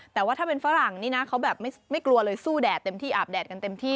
แต่ว่าถ้าเป็นฝรั่งนี่นะเขาแบบไม่กลัวเลยสู้แดดเต็มที่อาบแดดกันเต็มที่